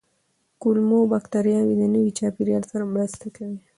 کولمو بکتریاوې د نوي چاپېریال سره مرسته کوي.